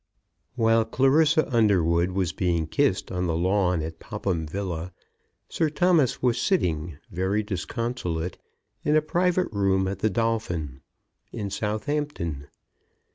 While Clarissa Underwood was being kissed on the lawn at Popham Villa, Sir Thomas was sitting, very disconsolate, in a private room at the Dolphin, in Southampton.